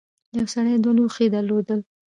یو سړي دوه لوښي درلودل.